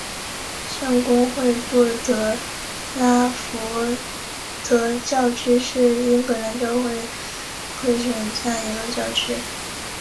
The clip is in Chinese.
圣公会布拉德福德教区是英格兰教会约克教省下面的一个教区。